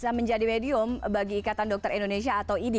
bisa menjadi medium bagi ikatan dokter indonesia atau idi